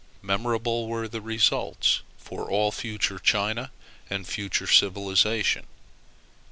Memorable were the results for all future China and future civilization.